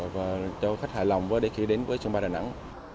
và cho khách hài lòng để khi đến với trung bài đà nẵng